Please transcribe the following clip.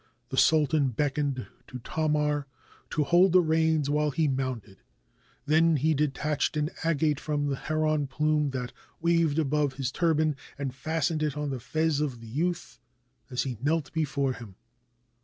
The sul tan beckoned to Thomar to hold the reins while he mounted, then he detached an agate from the heron plume that waved above his turban, and fastened it on the fez of the youth as he knelt before him.